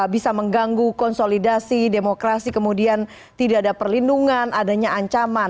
bisa mengganggu konsolidasi demokrasi kemudian tidak ada perlindungan adanya ancaman